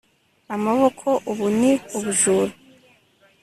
Amaboko Ubu ni ubujura